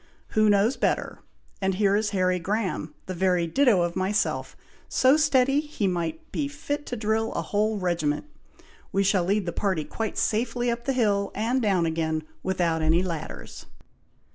"Who knows better! and here is Harry Graham, the very ditto of myself, so steady he might be fit to drill a whole regiment. We shall lead the party quite safely up the hill, and down again, without any ladders."